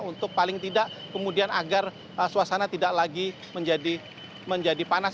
untuk paling tidak kemudian agar suasana tidak lagi menjadi panas